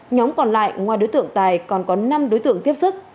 nhóm còn lại ngoài đối tượng tài còn có năm đối tượng tiếp sức